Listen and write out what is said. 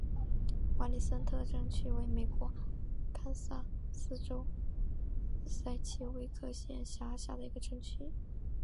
瓦利森特镇区为美国堪萨斯州塞奇威克县辖下的镇区。